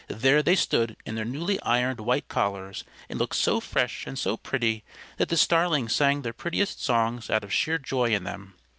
there they stood in their newly ironed white collars, and looked so fresh and so pretty that the Starlings sang their prettiest songs out of sheer joy in them.